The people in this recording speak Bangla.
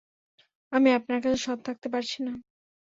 আমি আপনার কাছে সৎ থাকতে পারছি না।